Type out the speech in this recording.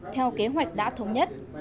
theo kế hoạch đã thống nhất